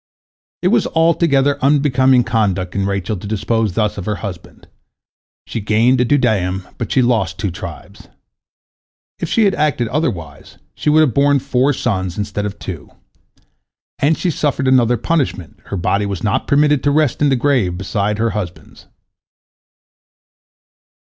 It was altogether unbecoming conduct in Rachel to dispose thus of her husband. She gained the dudaim, but she lost two tribes. If she had acted otherwise, she would have borne four sons instead of two. And she suffered another punishment, her body was not permitted to rest in the grave beside her husband's.